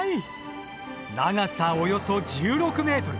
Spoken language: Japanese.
長さおよそ１６ｍ。